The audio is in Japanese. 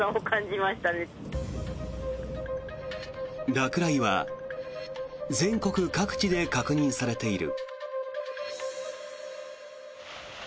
落雷は全国各地で確認されている。